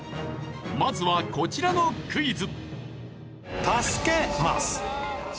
まずはこちらのクイズ。